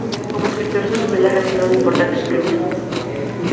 Como escritor sus novelas recibieron importantes premios.